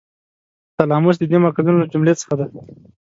تلاموس د دې مرکزونو له جملو څخه دی.